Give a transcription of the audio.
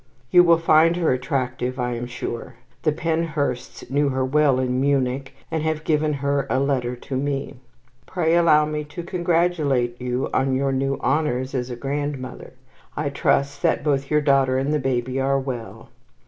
You will find her attractive, I am sure. The Penhursts knew her well in Munich, and have given her a letter to me. Pray allow me to congratulate you on your new honours as a grandmother. I trust that both your daughter and the baby are well.